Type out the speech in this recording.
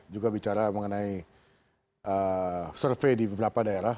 juga bicara mengenai survei di beberapa daerah